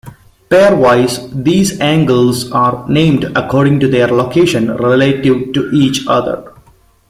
Pairwise these angles are named according to their location relative to each other.